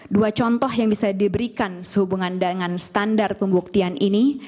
dua contoh yang bisa diberikan sehubungan dengan standar pembuktian ini